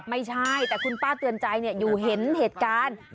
ไม่ใช่แต่คุณป้าเตือนใจอยู่เห็นเหตุการณ์